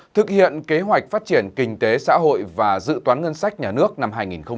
thực hiện kế hoạch phát triển kinh tế xã hội và dự toán ngân sách nhà nước năm hai nghìn hai mươi